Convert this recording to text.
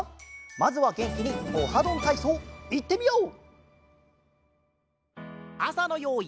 まずはげんきに「オハどんたいそう」いってみよう！